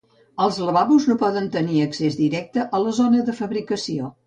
Els lavabos no poden tenir accés directe a la zona de fabricació.